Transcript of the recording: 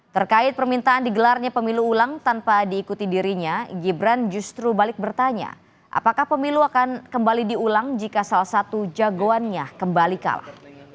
terkait permintaan digelarnya pemilu ulang tanpa diikuti dirinya gibran justru balik bertanya apakah pemilu akan kembali diulang jika salah satu jagoannya kembali kalah